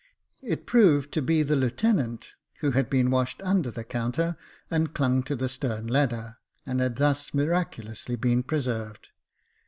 It proved to be the lieutenant, who had been washed under the counter, and clung to the stern ladder, and had thus miraculously been preserved.